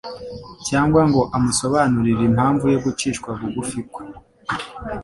cyangwa ngo amusobanurire impamvu yo gucishwa bugufi kwe.